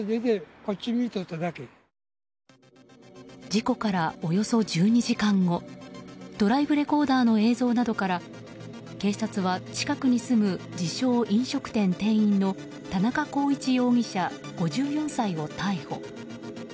事故から、およそ１２時間後ドライブレコーダーの映像などから警察は近くに住む自称・飲食店店員の田中浩一容疑者、５４歳を逮捕。